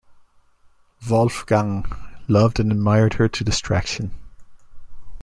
Wolfgang loved and admired her to distraction.